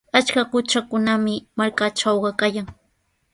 Achka qutrakunami markaatrawqa kallan.